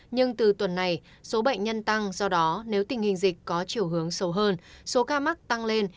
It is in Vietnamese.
nhưng từ tuần này số bệnh nhân tăng do đó nếu tình hình dịch có chiều hướng sâu hơn số ca mắc tăng lên